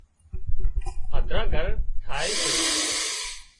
هڌران گھر ٺاهي سي